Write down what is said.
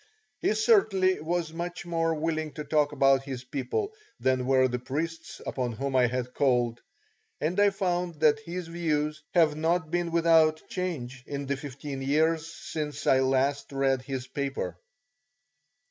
He certainly was much more willing to talk about his people than were the priests upon whom I had called, and I found that his views have not been without change in the fifteen years since I last read his paper.